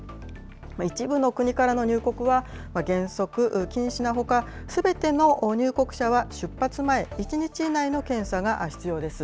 一部の国からの入国は、原則、禁止のほか、すべての入国者は出発前、１日以内の検査が必要です。